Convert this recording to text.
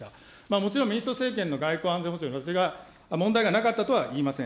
もちろん民主党政権の外交・安全保障ですが、問題がなかったとは言いません。